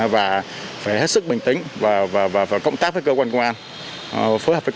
và phải hết sức bình tĩnh và công tác với cơ quan công an phối hợp với cơ quan công an thì là mới ngăn chặn được